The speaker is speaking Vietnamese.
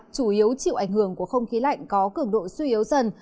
chủ yếu chịu ảnh hưởng của không khí lạnh có cường độ suy yếu dần